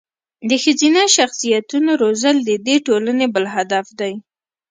د ښځینه شخصیتونو روزل د دې ټولنې بل هدف دی.